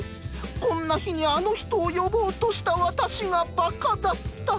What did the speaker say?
こんな日にあの人を呼ぼうとした私がバカだった！